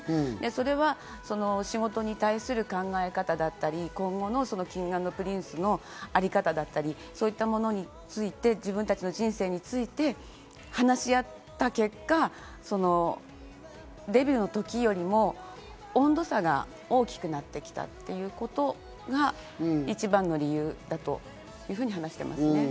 それは仕事に対する考え方だったり、今後のＫｉｎｇ＆Ｐｒｉｎｃｅのあり方だったり、そういったものについて自分たちの人生について話し合った結果、デビューの時よりも温度差が大きくなってきたっていうことが一番の理由だというふうに話していました。